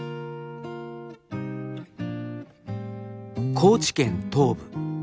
高知県東部。